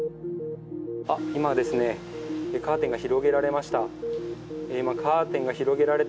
今カーテンが広げられました。